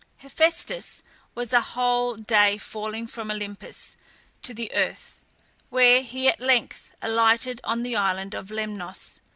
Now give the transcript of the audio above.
Hephæstus was a whole day falling from Olympus to the earth, where he at length alighted on the island of Lemnos.